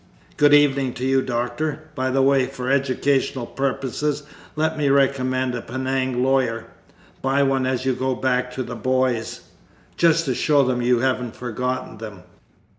Good evening to you, Doctor. By the way, for educational purposes let me recommend a 'Penang lawyer' buy one as you go back for the boys just to show them you haven't forgotten them!"